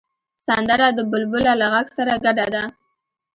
سندره د بلبله له غږ سره ګډه ده